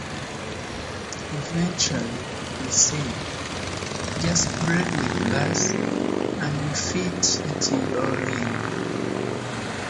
Eventually, we said, 'Just break the glass,' and we fit it all in.